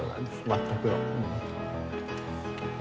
全くの。